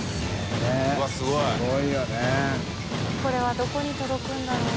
これはどこに届くんだろう？